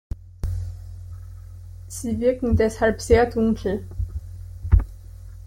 Sie wirken deshalb sehr dunkel.